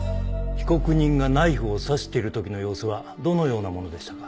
被告人がナイフを刺している時の様子はどのようなものでしたか？